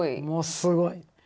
もうすごい。